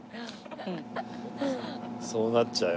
そうなっちゃうよ。